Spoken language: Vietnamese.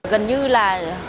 gần như là